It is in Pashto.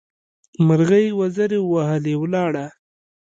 مرغۍ وزرې ووهلې؛ ولاړه.